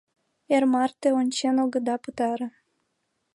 Эр марте ончен огыда пытаре.